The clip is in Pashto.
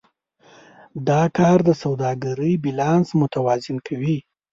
دا کار د سوداګرۍ بیلانس متوازن کوي.